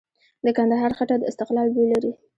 د کندهار خټه د استقلال بوی لري.